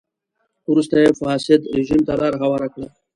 وروسته یې فاسد رژیم ته لار هواره کړه.